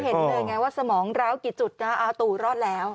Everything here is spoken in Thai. เห็นเลยไงว่าสมองร้าวกี่จุดนะอาตูรอดแล้ว